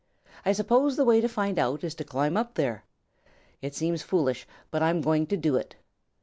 I suppose the way to find out is to climb up there. It seems foolish, but I'm going to do it.